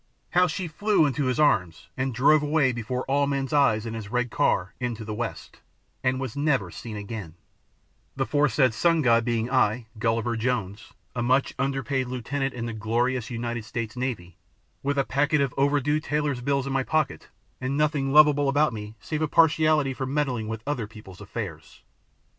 How she flew into his arms and drove away before all men's eyes, in his red car, into the west, and was never seen again the foresaid Sun god being I, Gulliver Jones, a much under paid lieutenant in the glorious United States navy, with a packet of overdue tailors' bills in my pocket, and nothing lovable about me save a partiality for meddling with other people's affairs.